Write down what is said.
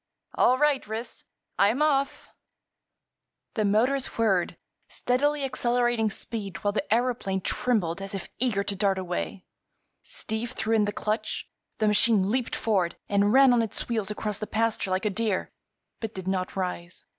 All right, Ris; I'm off!" The motors whirred, steadily accelerating speed while the aëroplane trembled as if eager to dart away. Steve threw in the clutch; the machine leaped forward and ran on its wheels across the pasture like a deer, but did not rise.